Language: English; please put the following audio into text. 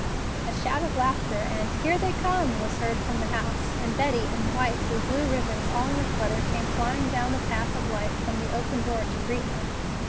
A shout of laughter, and, "Here they come!" was heard from the house, and Betty, in white, with blue ribbons all in a flutter, came flying down the path of light from the open door to greet them.